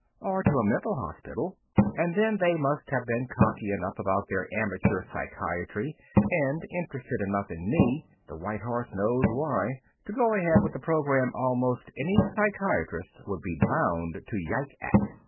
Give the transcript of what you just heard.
or to a mental hospital. And then they must have been cocky enough about their amateur psychiatry and interested enough in me (the White Horse knows why) to go ahead with a program almost any psychiatrist would be bound to yike at.